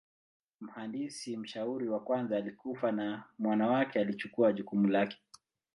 Mhandisi mshauri wa kwanza alikufa na mwana wake alichukua jukumu lake.